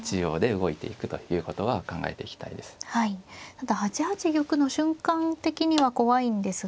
ただ８八玉の瞬間的には怖いんですが。